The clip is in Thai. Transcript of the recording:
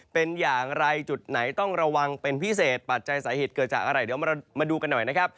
เป็นอย่างไรจุดไหนต้องระวังเป็นพิเศษปัจจัยสาเหตุเกิดจากอะไรเดี๋ยวมาดูกันหน่อยนะครับ